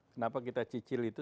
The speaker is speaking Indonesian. kenapa kita cicil itu